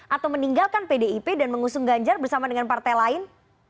atau meninggalkan pdip dan mengusung ganjar bersama dengan partai lain